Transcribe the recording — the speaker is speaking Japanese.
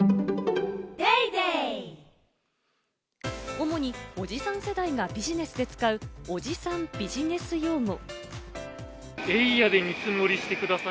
主におじさん世代がビジネスで使うおじさんビジネス用語。